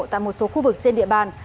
tại một số khu vực trên địa bàn